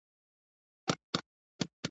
د يوسف عليه السلام د نورو وروڼو دغه نظر خوښ سو.